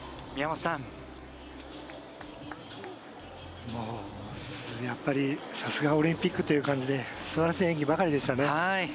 さすがオリンピックという感じですばらしい演技ばかりでしたね。